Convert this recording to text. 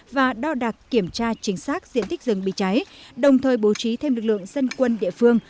và đo đặc kiểm tra chính xác diện tích rừng bị cháy đồng thời bố trí thêm lực lượng dân quân địa phương